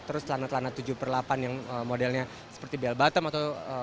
terus lana lana tujuh x delapan yang modelnya seperti bell bottom atau